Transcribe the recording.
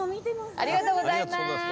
ありがとうございます。